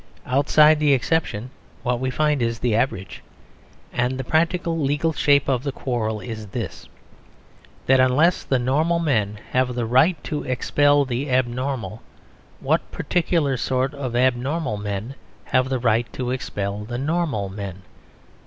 Outside the exception, what we find is the average. And the practical, legal shape of the quarrel is this: that unless the normal men have the right to expel the abnormal, what particular sort of abnormal men have the right to expel the normal men?